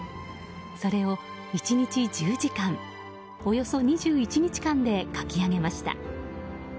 それを１日１０時間およそ２１日間で描き上げました。